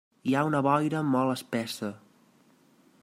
Hi ha una boira molt espessa.